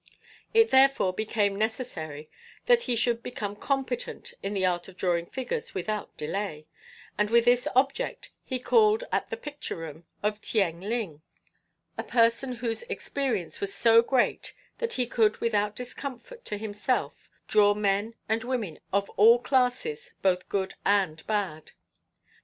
It therefore became necessary that he should become competent in the art of drawing figures without delay, and with this object he called at the picture room of Tieng Lin, a person whose experience was so great that he could, without discomfort to himself, draw men and women of all classes, both good and bad.